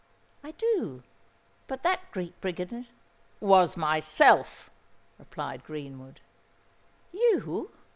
"I do. But that Greek Brigand——" "Was myself!" replied Greenwood. "You!"